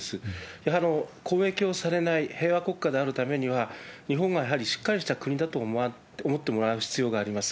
やはり攻撃をされない、平和国家であるためには、日本はやはりしっかりした国だと思ってもらう必要があります。